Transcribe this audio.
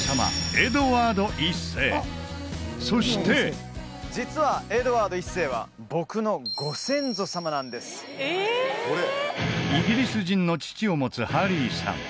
エドワード１世そして実はエドワード１世は僕のご先祖様なんですイギリス人の父を持つハリーさん